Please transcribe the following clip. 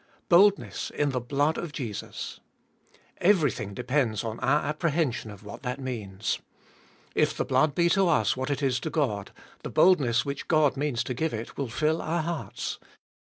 Boldness in the blood of Jesus. Everything depends upon our apprehension of what that means. If the blood be to us what it is to God, the boldness which God means it to give, will fill our hearts.